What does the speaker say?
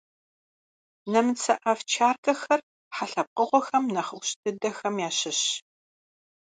Нэмыцэ овчаркэхэр хьэ лъэпкъыгъуэ нэхъ ӏущ дыдэхэм ящыщщ.